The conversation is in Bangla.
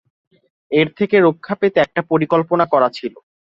এর থেকে রক্ষা পেতে একটা পরিকল্পনা করা ছিল।